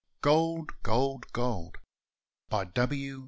GOLD, GOLD, GOLD! BY W.